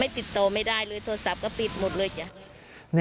ติดต่อไม่ได้เลยโทรศัพท์ก็ปิดหมดเลยจ้ะ